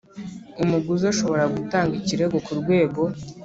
Umuguzi ashobora gutanga ikirego ku Rwego